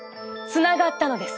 つながったのです。